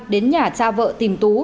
đến nhà cha vợ tìm tú